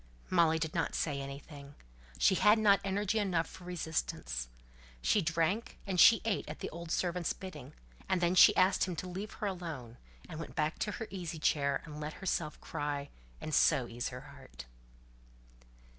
Molly did not say anything. She had not energy enough for resistance. She drank and she ate at the old servant's bidding; and then she asked him to leave her alone, and went back to her easy chair and let herself cry, and so ease her heart.